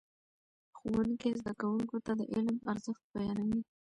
ښوونکي زده کوونکو ته د علم ارزښت بیانوي.